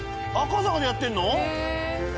赤坂でやってんの？